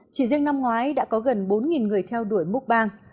chỉ riêng năm ngoái đã có gần bốn người theo đuổi múc bang